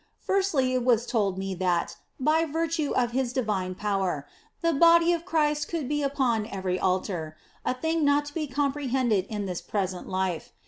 Firstly, it was told me that, by virtue of His divine power, the body of Christ could be upon every altar, a thing not to be comprehended in this present life.